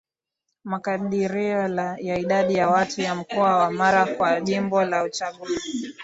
Makadirio ya Idadi ya Watu ya Mkoa wa Mara kwa Jimbo la Uchaguzi